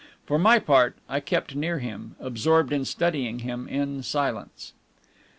For my part, I kept near him, absorbed in studying him in silence.